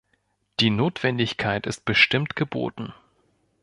Die Notwendigkeit ist bestimmt geboten.